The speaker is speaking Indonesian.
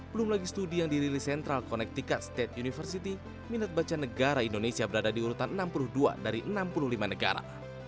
belum lagi studi yang dirilis central connectical state university minat baca negara indonesia berada di urutan enam puluh dua dari enam puluh lima negara